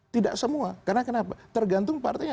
tidak semua karena kenapa tergantung partainya